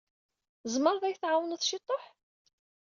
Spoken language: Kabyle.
Tzemreḍ ad yi-tɛwawneḍ ciṭuḥ?